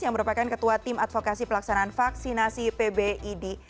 yang merupakan ketua tim advokasi pelaksanaan vaksinasi pbid